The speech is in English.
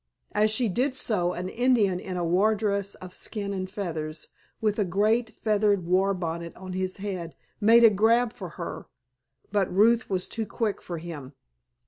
As she did so an Indian in a war dress of skin and feathers, with a great feathered war bonnet on his head, made a grab for her, but Ruth was too quick for him.